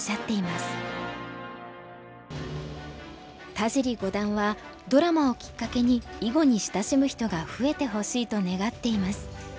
田尻五段はドラマをきっかけに囲碁に親しむ人が増えてほしいと願っています。